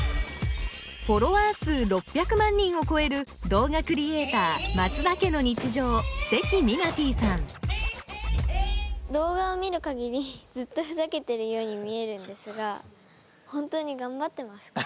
フォロワー数６００万人を超える動画クリエーターマツダ家の日常関ミナティさん動画を見る限りずっとふざけてるように見えるんですが本当に頑張ってますか？